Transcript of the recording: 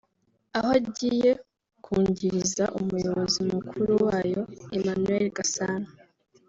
aho agiye kungiriza Umuyobozi Mukuru wayo Emmanuel Gasana